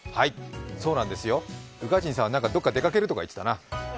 そうなんですよ、宇賀神さんはどこか出かけるとか言ってたな。